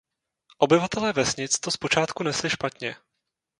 Obyvatelé vesnic to zpočátku nesli špatně.